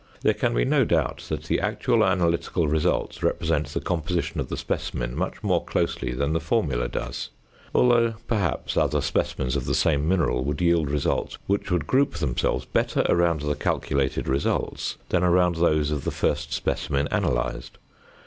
There can be no doubt that the actual analytical results represent the composition of the specimen much more closely than the formula does; although perhaps other specimens of the same mineral would yield results which would group themselves better around the calculated results than around those of the first specimen analysed.